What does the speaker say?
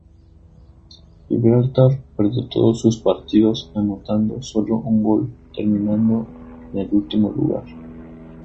Gibraltar perdió todos sus partidos, anotando sólo un gol, terminando en el último lugar.